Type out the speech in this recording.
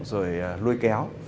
rồi lôi kéo